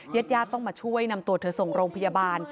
ญาติญาติต้องมาช่วยนำตัวเธอส่งโรงพยาบาล